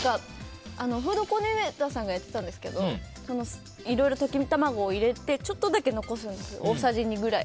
フードコーディネーターさんがやってたんですけどいろいろ溶き卵を入れてちょっとだけ残すんです大さじ２ぐらい。